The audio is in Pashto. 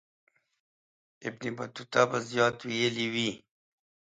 ابن بطوطه به زیات ویلي وي.